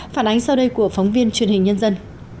phản ánh sau đây của phóng viên truyền hình nhân dân